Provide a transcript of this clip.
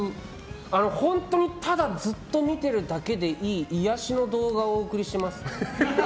本当に、ただずっと見ているだけでいい癒やしの動画をお送りします。